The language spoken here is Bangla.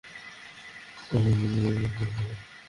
ওকে বোঝার চেষ্টা করো।